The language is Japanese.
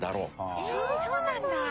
ええそうなんだ。